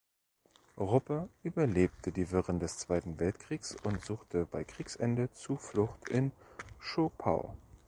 Ruppe überlebte die Wirren des Zweiten Weltkriegs und suchte bei Kriegsende Zuflucht in Zschopau.